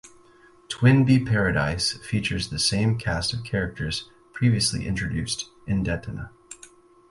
"TwinBee Paradise" features the same cast of characters previously introduced in "Detana!!